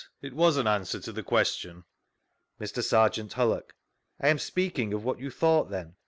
— It was in answer to the question. Mt.SerjsantHullock: I am speaking of what you thought then.